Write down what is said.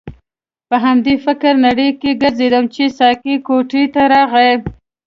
په همدې فکرې نړۍ کې ګرځیدم چې ساقي کوټې ته راغی.